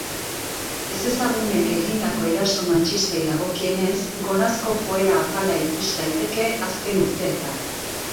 Ezezagunek egindako eraso matxistei dagokienez, goranzko joera apala ikus daiteke azken urteetan.